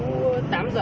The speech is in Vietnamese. trên bảo lũ tám giờ